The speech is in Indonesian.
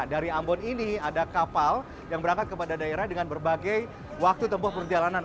dari ambon ini ada kapal yang berangkat kepada daerah dengan berbagai waktu tempuh perjalanan